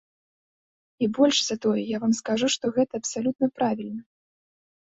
І больш за тое, я вам скажу, што гэта абсалютна правільна.